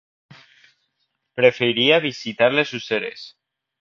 Preferiria visitar les Useres.